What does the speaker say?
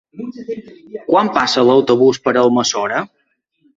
Quan passa l'autobús per Almassora?